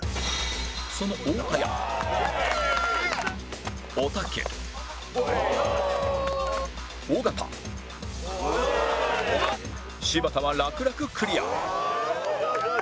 その太田やおたけ尾形柴田は楽々クリア